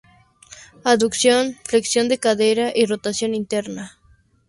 Aducción, flexión de cadera y rotación interna